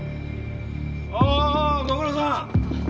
おおご苦労さん！